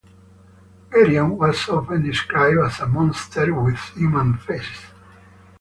Geryon was often described as a monster with human faces.